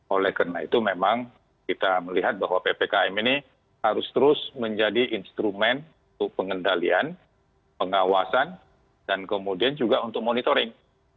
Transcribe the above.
oleh karena itu memang kita melihat bahwa ppkm ini harus terus menjadi instrumen untuk pengendalian pengawasan dan kemudian juga untuk monitoring